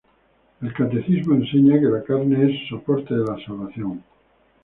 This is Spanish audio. El Catecismo enseña que "la carne es soporte de la salvación".